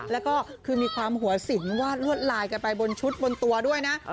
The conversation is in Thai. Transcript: แล้วก็คือมีความหัวสินวาดลวดลายกันไปบนชุดบนตัวด้วยนะ